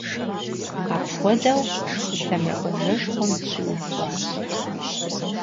Апхуэдэу Ислъэмей къуажэшхуэм зыщиубгъуащ.